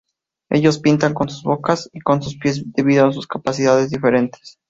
Ellos pintan con sus bocas y con sus pies debido a sus capacidades diferentes.